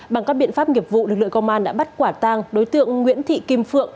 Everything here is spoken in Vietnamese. bằng các biện pháp nghiệp vụ lực lượng công an đã bắt quả tang đối tượng nguyễn thị kim phượng